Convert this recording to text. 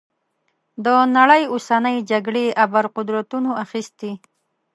د نړۍ اوسنۍ جګړې ابرقدرتونو اخیستي.